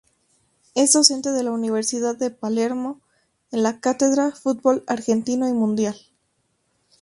Es docente de la Universidad de Palermo en la cátedra Fútbol argentino y mundial.